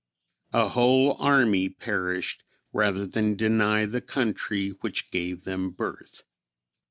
A whole army perished rather than deny the country which gave them birth!